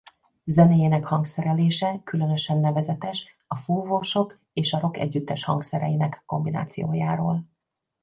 Zenéjének hangszerelése különösen nevezetes a fúvósok és a rockegyüttes hangszereinek kombinációjáról.